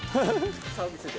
サービス料。